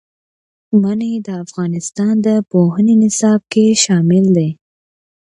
منی د افغانستان د پوهنې نصاب کې شامل دي.